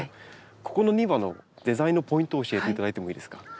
ここの庭のデザインのポイントを教えていただいてもいいですか？